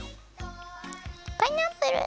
パイナップル。